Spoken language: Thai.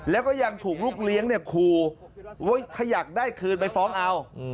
แล้วก็ยังถูกลูกเลี้ยงเนี่ยครูถ้าอยากได้คืนไปฟ้องเอา